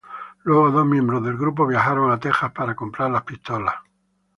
Luego, dos miembros del grupo viajaron a Texas para comprar las pistolas.